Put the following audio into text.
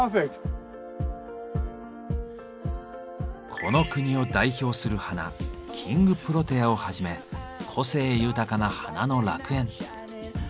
この国を代表する花「キングプロテア」をはじめ個性豊かな花の楽園。